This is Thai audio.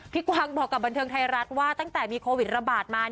กวางบอกกับบันเทิงไทยรัฐว่าตั้งแต่มีโควิดระบาดมา